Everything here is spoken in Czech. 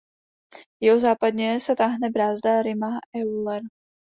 Jihozápadně se táhne brázda Rima Euler.